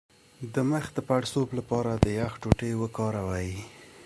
د مخ د پړسوب لپاره د یخ ټوټې وکاروئ